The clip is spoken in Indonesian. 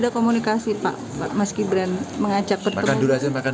pak kemarin mas gibran ini di momen lebaran ini bertemu dengan para capres dan cawapres